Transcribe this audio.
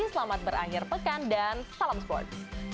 selamat berakhir pekan dan salam sports